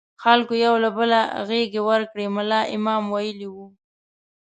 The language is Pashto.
خلکو یو له بله غېږې ورکړې، ملا امام ویلي وو.